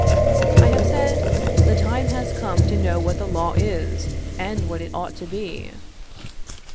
I have said: The time has come to know what the law is, and what it ought to be.